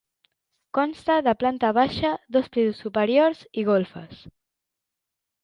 Consta de planta baixa, dos pisos superiors i golfes.